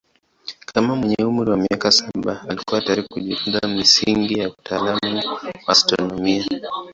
Kama mwenye umri wa miaka saba alikuwa tayari kujifunza misingi ya utaalamu wa astronomia.